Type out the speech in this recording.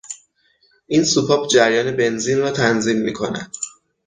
این سوپاپ جریان بنزین را تنظیم می کند.